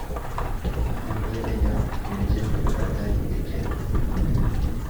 On le réveilla pour lui dire que la bataille était gagnée.